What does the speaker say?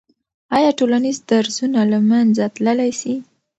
آیا ټولنیز درزونه له منځه تللی سي؟